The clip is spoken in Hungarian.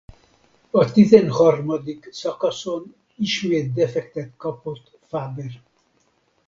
A tizenharmadik szakaszon ismét defektet kapott Faber.